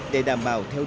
để đảm bảo theo dõi